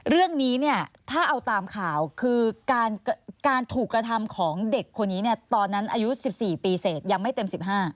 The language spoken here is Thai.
เรื่องนี้เนี่ยถ้าเอาตามข่าวคือการถูกกระทำของเด็กคนนี้เนี่ยตอนนั้นอายุ๑๔ปีเสร็จยังไม่เต็ม๑๕